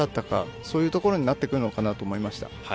そういうところになってくるかなと思いました。